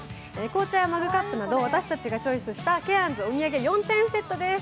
紅茶やマグカップなど私たちがチョイスしたケアンズお土産４点セットです。